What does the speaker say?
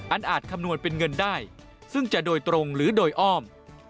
อาจคำนวณเป็นเงินได้ซึ่งจะโดยตรงหรือโดยอ้อม